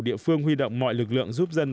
địa phương huy động mọi lực lượng giúp dân